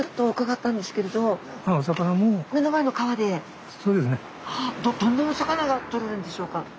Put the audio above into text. どんなお魚がとれるんでしょうか？